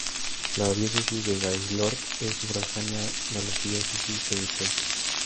La Diócesis de Gaylord es sufragánea d la Arquidiócesis de Detroit.